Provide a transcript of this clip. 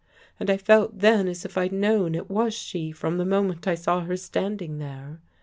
And I felt then as if I'd known it was she from the moment I saw her standing there.